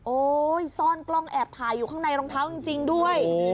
ซ่อนกล้องแอบถ่ายอยู่ข้างในรองเท้าจริงด้วย